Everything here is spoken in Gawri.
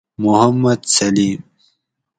محمد سلیم